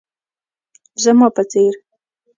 زما په څير